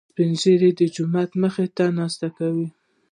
سپين ږيري د جومات مخې ته ناسته کوي.